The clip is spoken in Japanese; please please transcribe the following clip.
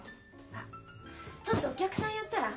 あっちょっとお客さんやったら？